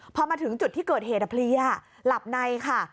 พอมาถึงจุดที่เกิดเหตุเพลียหลับในค่ะ